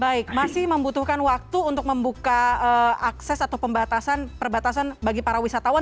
baik masih membutuhkan waktu untuk membuka akses atau pembatasan perbatasan bagi para wisatawan